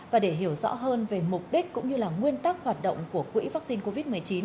và để hiểu rõ hơn về mục đích cũng như là nguyên tắc hoạt động của quỹ vaccine covid một mươi chín